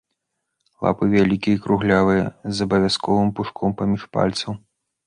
Лапы вялікія і круглявыя, з абавязковым пушком паміж пальцаў.